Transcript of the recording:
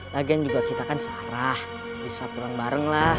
lagian juga kita kan searah bisa pulang barenglah